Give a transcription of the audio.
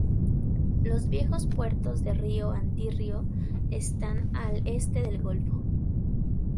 Los viejos puertos de Río-Antírrio están al este del golfo.